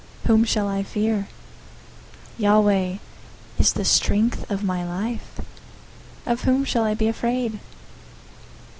Whom shall I fear? Yahweh is the strength of my life. Of whom shall I be afraid?